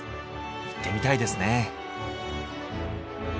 行ってみたいですね。